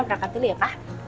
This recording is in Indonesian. berangkat dulu ya